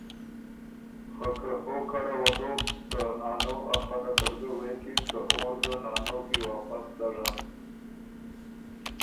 خه که او کره وه دوک ته نانو ا خلق ال غوېکِن که اور ګۀ نانو کی واپس دژن۔